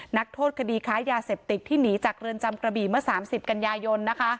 นักโทษคดีค้ายาเสพติดที่หนีจากเรือนจำกระบี่เมื่อ๓๐กันยายนนะคะ